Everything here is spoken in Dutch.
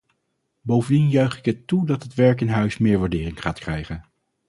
Bovendien juich ik het toe dat het werk in huis meer waardering gaat krijgen.